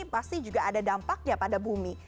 pasti juga ada dampaknya pada bumi